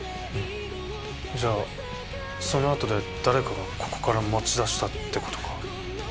じゃあそのあとで誰かがここから持ち出したってことか？